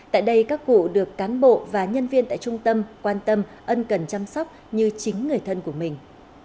tại đây các cụ được cán bộ và nhân viên tại trung tâm quan tâm ân cần chăm sóc như chính người thân của mình